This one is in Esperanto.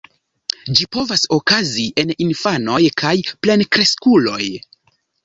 Ĝi povas okazi en infanoj kaj plenkreskuloj.